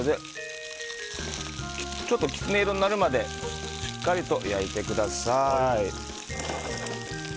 ちょっとキツネ色になるまでしっかりと焼いてください。